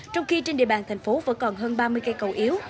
trong khi trên địa bàn thành phố vẫn còn hơn ba mươi cây cầu yếu